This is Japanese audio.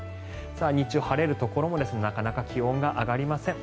日中、晴れるところもなかなか気温が上がりません。